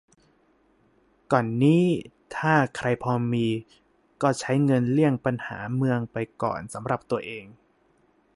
ก่อนนี้ ถ้าใครพอมี ก็ใช้เงินเลี่ยงปัญหาเมืองไปก่อนสำหรับตัวเอง